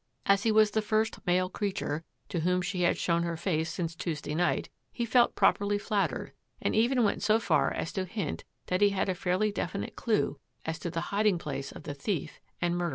As he was the first male creature to whom she had shown her face since Tuesday night, he felt properly flattered and even went so far as to hint that he had a fairly definite clue as to the hiding place of the thief and murderer.